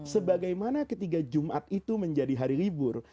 sebagaimana ketika jumat itu menjadi hari libur